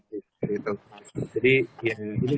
dari sma saya di bidang biologi